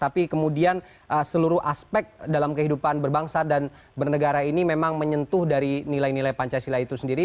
tapi kemudian seluruh aspek dalam kehidupan berbangsa dan bernegara ini memang menyentuh dari nilai nilai pancasila itu sendiri